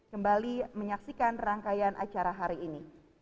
kembali menyaksikan rangkaian acara hari ini